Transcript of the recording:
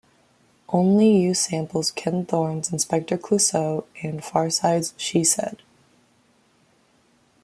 "Only You" samples Ken Thorne's "Inspector Clouseau" and The Pharcyde's "She Said".